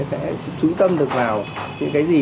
sẽ trú tâm được vào những cái gì